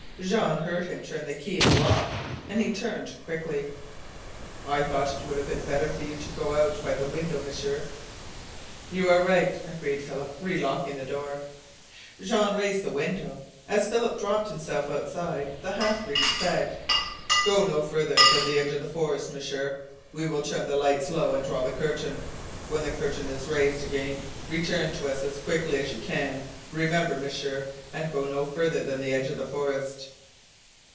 Jean heard him turn the key in the lock, and he turned quickly. "I have thought it would be better for you to go out by the window, M'sieur." "You are right," agreed Philip, relocking the door. Jean raised the window. As Philip dropped himself outside the half breed said: "Go no farther than the edge of the forest, M'sieur. We will turn the light low and draw the curtain. When the curtain is raised again return to us as quickly as you can. Remember, M'sieur and go no farther than the edge of the forest."